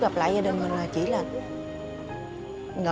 một ngày giải thích mở cửa cho gia đình